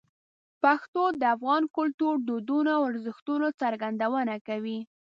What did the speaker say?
پښتو د افغان کلتور، دودونو او ارزښتونو څرګندونه کوي.